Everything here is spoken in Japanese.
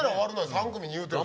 ３組に言うてよ